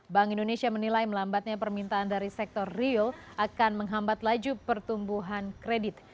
bank indonesia menilai melambatnya permintaan dari sektor real akan menghambat laju pertumbuhan kredit